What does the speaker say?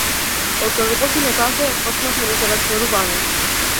Откако почина тате, почнавме да се раскаруваме.